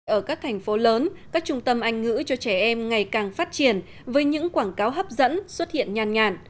ở các thành phố lớn các trung tâm anh ngữ cho trẻ em ngày càng phát triển với những quảng cáo hấp dẫn xuất hiện nhàn nhạt